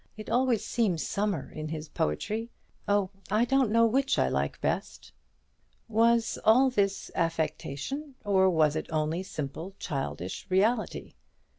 It always seems summer in his poetry. Oh, I don't know which I like best." Was all this affectation, or was it only simple childish reality?